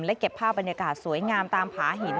และเก็บภาพบรรยากาศสวยงามตามผาหิน